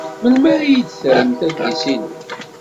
Melmi ara iyi-d-terremt adlis-inu?